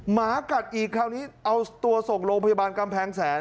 หมากัดอีกคราวนี้เอาตัวส่งโรงพยาบาลกำแพงแสน